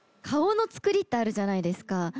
顔のつくりってあるじゃないですか。